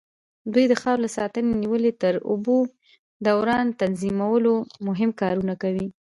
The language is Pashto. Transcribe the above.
دوی د خاورې له ساتنې نيولې تر د اوبو دوران تنظيمولو مهم کارونه کوي.